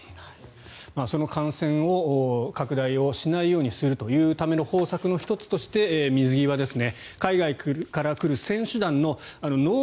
その感染を拡大をしないようにするというための方策の１つとして水際ですね。